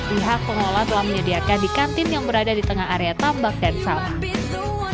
pihak pengelola telah menyediakan di kantin yang berada di tengah area tambak dan sawah